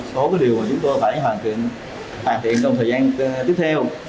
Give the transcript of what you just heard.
một số điều mà chúng tôi phải hoàn thiện trong thời gian tiếp theo